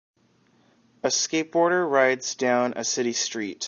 A skateboarder rides down a city street.